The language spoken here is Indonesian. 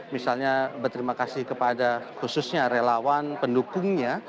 misalnya berterima kasih kepada khususnya relawan pendukungnya